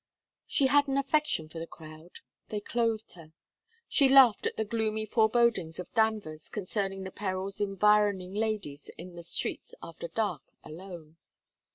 She had an affection for the crowd. They clothed her. She laughed at the gloomy forebodings of Danvers concerning the perils environing ladies in the streets after dark alone.